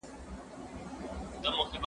زه انځور ليدلی دی!؟